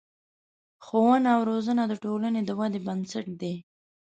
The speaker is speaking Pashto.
ښوونه او روزنه د ټولنې د ودې بنسټ دی.